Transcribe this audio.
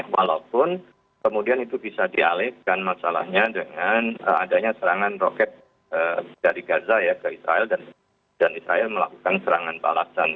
walaupun kemudian itu bisa dialihkan masalahnya dengan adanya serangan roket dari gaza ya ke israel dan israel melakukan serangan balasan